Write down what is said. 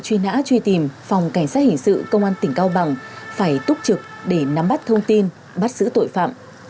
truy nã truy tìm phòng cảnh sát hình sự công an tỉnh cao bằng phải túc trực để nắm bắt thông tin bắt xử tội phạm